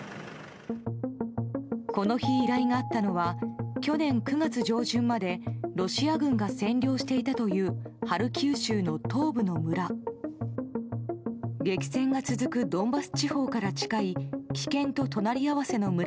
この日、依頼があったのは去年９月上旬までロシア軍が占領していたというハルキウ州の東部の村。